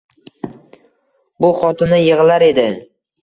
Bu xotini yigʻlar edi.